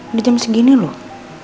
udah jam segini loh